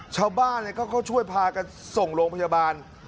ชาวบ้านเขาก็ช่วยพากันส่งโรงพยาบาล